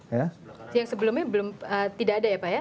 yang sebelumnya belum tidak ada ya pak ya